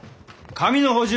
紙の補充！